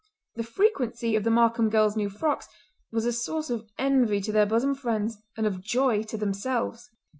The frequency of the Markam girls' new frocks was a source of envy to their bosom friends and of joy to themselves.